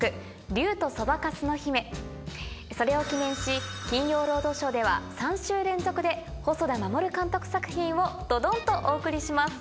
それを記念し『金曜ロードショー』では３週連続で細田守監督作品をドドンとお送りします。